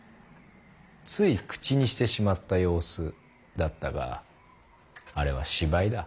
つい口にしてしまった様子だったがあれは芝居だ。